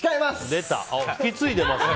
出た、引き継いでますね。